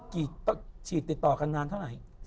กี่ต้องฉีดติดต่อกันนานเท่านั้น